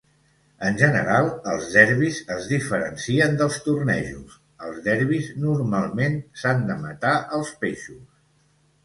En general, els derbis es diferencien dels tornejos; als derbis, normalment, s'han de matar els peixos.